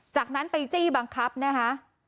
จากนั้นไปจี้บังคับนะคะ